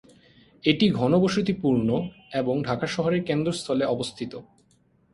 এটি ঘনবসতিপূর্ণ এবং ঢাকা শহরের কেন্দ্রস্থলে অবস্থিত।